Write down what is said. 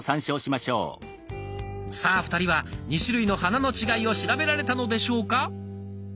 さあ２人は２種類の花の違いを調べられたのでしょうか。